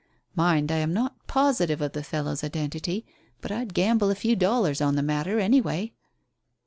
Mind, I am not positive of the fellow's identity, but I'd gamble a few dollars on the matter, anyway."